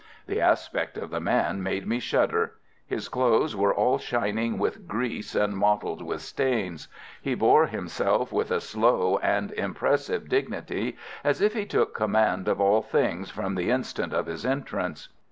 The aspect of the man made me shudder. His clothes were all shining with grease and mottled with stains. He bore himself with a slow and impressive dignity, as if he took command of all things from the instant of his entrance.